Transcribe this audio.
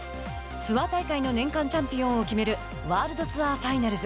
ツアー大会の年間チャンピオンを決めるワールドツアーファイナルズ。